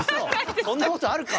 そんなことあるか！